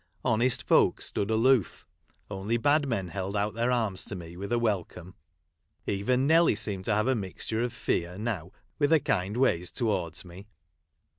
Honest folk stood aloof ; only bad men held out their arms to me with a welcome. Even Nelly seemed to have a mixture of fear now with her kind ways towards me.